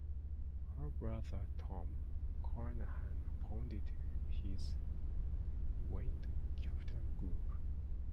Her brother Tom Carnahan founded Wind Capital Group.